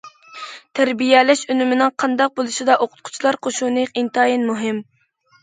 تەربىيەلەش ئۈنۈمىنىڭ قانداق بولۇشىدا ئوقۇتقۇچىلار قوشۇنى ئىنتايىن مۇھىم.